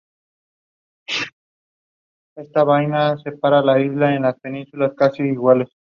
El mejor portero del torneo Lars Hirschfeld no ingresó en el equipo ideal.